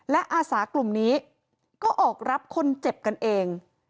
และอาสากลุ่มนี้ก็ออกรับคนเจ็บกันเอง